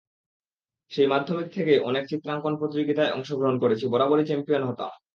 সেই মাধ্যমিক থেকেই অনেক চিত্রাঙ্কন প্রতিযোগিতায় অংশগ্রহণ করেছি, বরাবরই চ্যাম্পিয়ন হতাম।